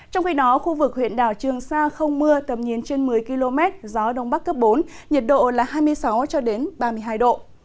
trong khi đó khu vực huyện đảo trường sa không mưa tầm nhìn trên một mươi km gió đông bắc cấp bốn nhiệt độ là hai mươi sáu ba mươi hai độ